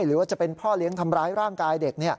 หรือว่าจะเป็นพ่อเลี้ยงทำร้ายร่างกายเด็ก